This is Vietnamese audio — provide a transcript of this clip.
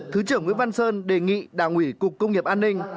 thứ trưởng nguyễn văn sơn đề nghị đảng ủy cục công nghiệp an ninh